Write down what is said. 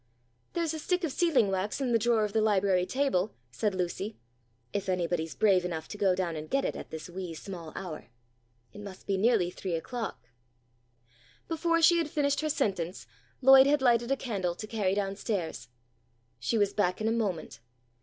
"There's a stick of sealing wax in the drawer of the library table," said Lucy, "if anybody's brave enough to go down and get it at this 'wee sma' hour.' It must be nearly three o'clock." Before she had finished her sentence Lloyd had lighted a candle to carry down stairs. She was back in a moment.